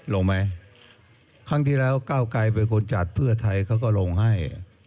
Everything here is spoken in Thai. ลงไหมครั้งที่แล้วก้าวไกรเป็นคนจัดเพื่อไทยเขาก็ลงให้